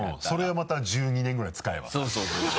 それをまた１２年ぐらい使えばさそうそう。